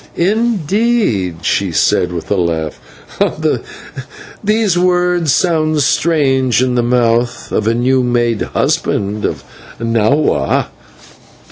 "Indeed," she said with a laugh, "these words sound strange in the mouth of the new made husband of Nahua."